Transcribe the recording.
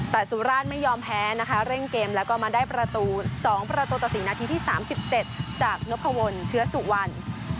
แต่สุราชไม่ยอมแพ้นะคะเร่งเกมแล้วก็มาได้ประตู๒ประตูต่อ๔นาทีที่๓๗จากนพวลเชื้อสุวรรณ